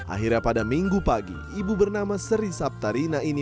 akhirnya pada minggu pagi ibu bernama seri saptarina ini